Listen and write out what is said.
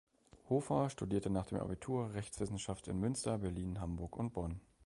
Hofer studierte nach dem Abitur Rechtswissenschaft in Münster, Berlin, Hamburg und Bonn.